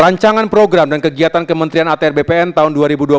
rancangan program dan kegiatan kementerian atr bpn tahun dua ribu dua puluh